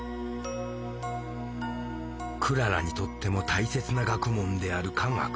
クララにとっても大切な学問である「化学」。